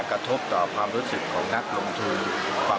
ผมคิดว่าเป็นการแสดงออกคือว่า